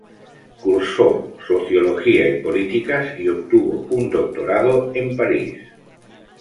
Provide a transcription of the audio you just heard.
Cursó Sociología y Políticas y obtuvo un doctorado en París.